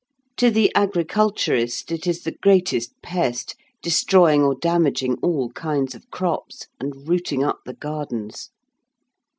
To the agriculturist it is the greatest pest, destroying or damaging all kinds of crops, and routing up the gardens.